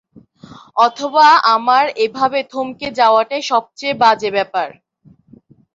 অথবা আমার এভাবে থমকে যাওয়াটাই সবচেয়ে বাজে ব্যাপার।